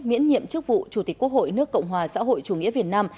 miễn nhiệm chức vụ chủ tịch quốc hội nước cộng hòa xã hội chủ nghĩa việt nam